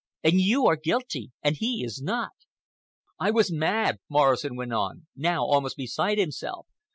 And you are guilty and he is not." "I was mad!" Morrison went on, now almost beside himself.